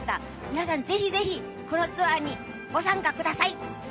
皆さんぜひぜひこのツアーにご参加ください。